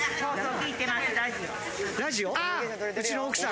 ラジオ？